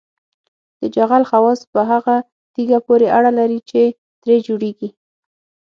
د جغل خواص په هغه تیږه پورې اړه لري چې ترې جوړیږي